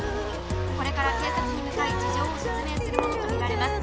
これから警察に向かい事情を説明するものとみられます